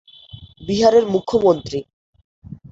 বিহারের মুখ্যমন্ত্রী